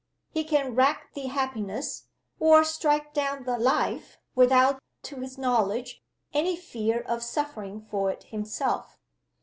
He can wreck the happiness, or strike down the life, without, to his knowledge, any fear of suffering for it himself.